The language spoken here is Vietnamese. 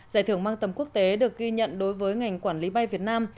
giải thưởng mang tầm quốc tế được ghi nhận đối với ngành quản lý bay việt nam